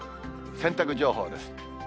洗濯情報です。